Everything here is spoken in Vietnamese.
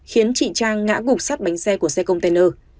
khiến chị trang ngã gục sát bánh xe của xe container